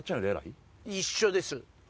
一緒です